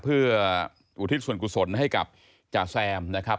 เพื่ออุทิศส่วนกุศลให้กับจาแซมนะครับ